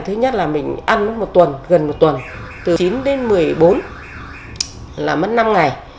thứ nhất là mình ăn một tuần gần một tuần từ chín đến một mươi bốn là mất năm ngày